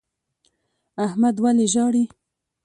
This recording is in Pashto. احمد ولي ژاړي؟